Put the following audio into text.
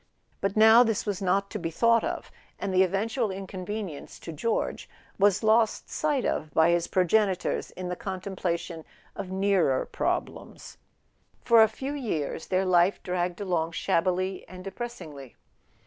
But now this was not to be thought of, and the even¬ tual inconvenience to George was lost sight of by his progenitors in the contemplation of nearer prob¬ lems. For a few years their life dragged along shabbily and depressingly.